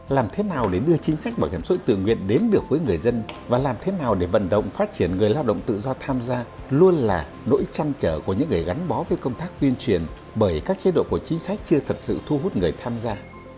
làm thế nào để đưa chính sách bảo hiểm sội tự nguyện đến được với người dân và làm thế nào để vận động phát triển người lao động tự do tham gia luôn là nỗi trăn trở của những người gắn bó với công tác tuyên truyền bởi các chế độ của chính sách chưa thật sự thu hút người tham gia